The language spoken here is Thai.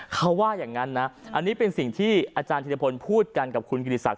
เขาว่าอย่างนั้นนะอันนี้เป็นสิ่งที่อาจารย์ธิรพลพูดกันกับคุณกิติศักดิ